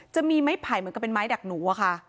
จะมีไม้ไผ่เหมือนกับเป็นไม้ดักหนูอะค่ะ